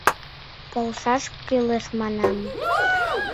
— Полшаш кӱлеш, манам.